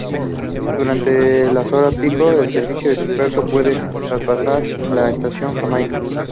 Durante las horas pico, el servicio expreso puede traspasar la estación Jamaica.